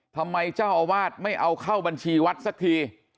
ทำไมเจ้าอาวาสไม่เอาเข้าบัญชีวัดสักที